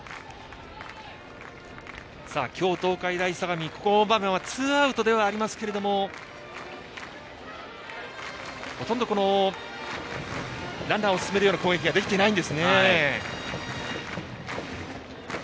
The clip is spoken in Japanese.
今日、東海大相模、ここまではツーアウトではありますがほとんどランナーを進めるような攻撃ができていません。